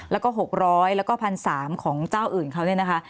ละกลุ่ม๖๐๐แล้วก็พัน๓ของเจ้าอื่นเขาเนี่ยนะคะ